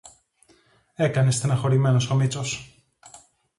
έκανε στενοχωρημένος ο Μήτσος